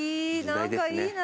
何かいいな。